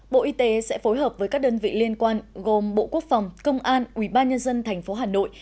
bộ y tế sẽ phối hợp với các đơn vị liên quan gồm bộ quốc phòng công an ubnd tp hà nội